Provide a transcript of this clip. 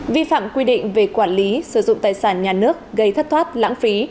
vi phạm quy định về quản lý sử dụng tài sản nhà nước gây thất thoát lãng phí